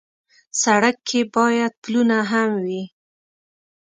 سړک کې باید پلونه هم وي.